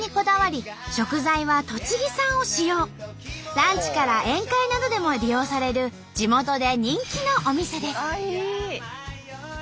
ランチから宴会などでも利用される地元で人気のお店です。